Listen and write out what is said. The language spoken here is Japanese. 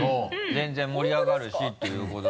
全然盛り上がるしっていうこと。